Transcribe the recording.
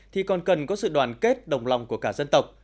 thì còn cần có sự đoàn kết đồng lòng của cả dân tộc